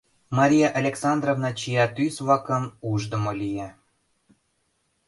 Мария Александровна чия тӱс-влакым уждымо лие.